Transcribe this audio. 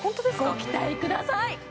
ご期待ください